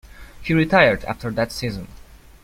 He retired after that season.